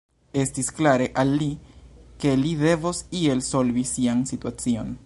Estis klare al li, ke li devos iel solvi sian situacion.